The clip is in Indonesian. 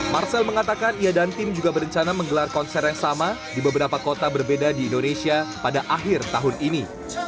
marcel mengatakan ia dan tim juga berencana menggelar konser yang sama di beberapa kota berbeda di indonesia pada akhir tahun ini